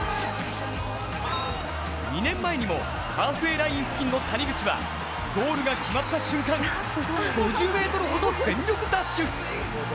２年前にも、ハーフウエーライン付近の谷口はゴールが決まった瞬間５０ｍほどを全力ダッシュ。